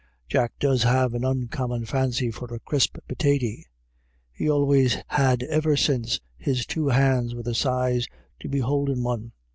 Jack does have an oncommon fancy for a crisp pitaty; he always had iver since his two hands were the size to be houldin' one.